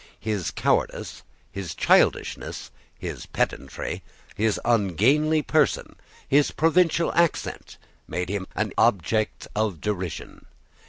His cowardice, his childishness, his pedantry, his ungainly person, his provincial accent, made him an object of derision.